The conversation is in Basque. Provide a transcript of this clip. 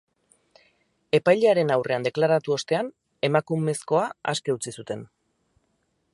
Epailearen aurrean deklaratu ostean, emakumezkoa aske utzi zuten.